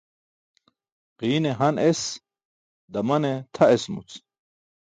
Ġiine han es, damane tʰa esumuc.